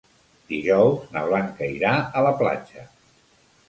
Dijous na Blanca irà a la platja.